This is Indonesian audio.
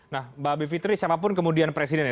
nah mbak abi fitri siapapun kemudian presiden ya